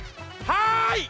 はい！